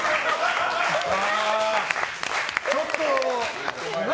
ちょっと、何？